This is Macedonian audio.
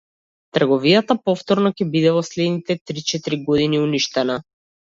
Трговијата повторно ќе биде во следните три-четири години уништена.